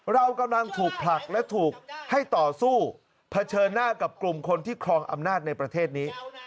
เรากำลังถูกผลักและถูกให้ต่อสู้เผชิญหน้ากับกลุ่มคนที่ครองอำนาจในประเทศนี้